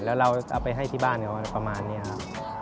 แล้วเราเอาไปให้ที่บ้านประมาณนี้ครับ